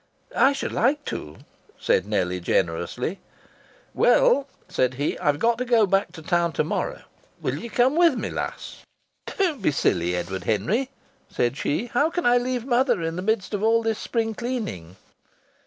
"I should like to," said Nellie, generously. "Well," said he, "I've got to go back to town to morrow. Wilt come with me, lass?" "Don't be silly, Edward Henry," said she. "How can I leave mother in the middle of all this spring cleaning?"